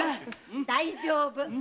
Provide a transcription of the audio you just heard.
大丈夫。